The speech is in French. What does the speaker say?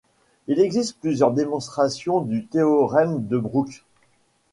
Il existe plusieurs démonstrations du théorème de Brooks.